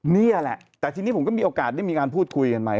นี่แหละแต่ทีนี้ผมก็มีโอกาสได้มีการพูดคุยกันไป